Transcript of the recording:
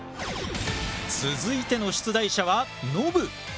続いての出題者はノブ。